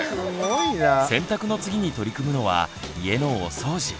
「洗濯」の次に取り組むのは「家のお掃除」。